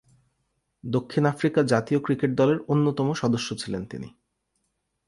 দক্ষিণ আফ্রিকা জাতীয় ক্রিকেট দলের অন্যতম সদস্য ছিলেন তিনি।